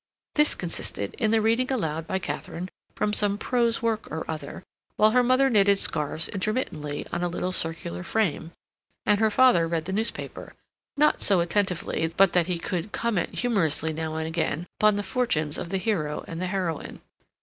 This consisted in the reading aloud by Katharine from some prose work or other, while her mother knitted scarves intermittently on a little circular frame, and her father read the newspaper, not so attentively but that he could comment humorously now and again upon the fortunes of the hero and the heroine.